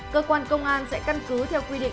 cơ quan công an sẽ căn cứ theo quy định